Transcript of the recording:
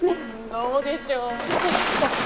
どうでしょう。